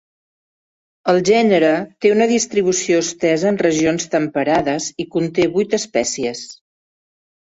El gènere té una distribució estesa en regions temperades, i conté vuit espècies.